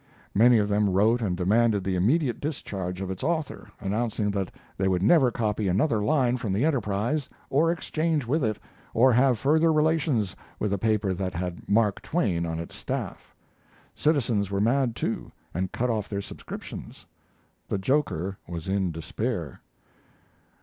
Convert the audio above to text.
Many of them wrote and demanded the immediate discharge of its author, announcing that they would never copy another line from the Enterprise, or exchange with it, or have further relations with a paper that had Mark Twain on its staff. Citizens were mad, too, and cut off their subscriptions. The joker was in despair.